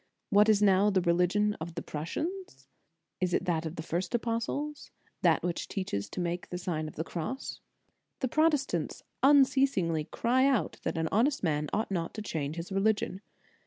What is now the religion of the Prussians? Is it that of the first apostles? That which teaches to make the Sign of the Cross? The Protestants unceasingly cry out that an honest man ought not to change his reli gion.